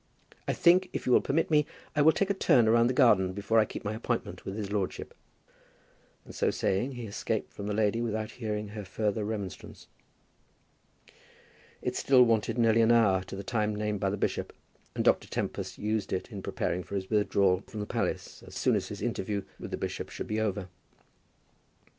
I think, if you will permit me, I will take a turn round the garden before I keep my appointment with his lordship." And so saying he escaped from the lady without hearing her further remonstrance. It still wanted nearly an hour to the time named by the bishop, and Dr. Tempest used it in preparing for his withdrawal from the palace as soon as his interview with the bishop should be over.